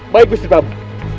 baik istri tamu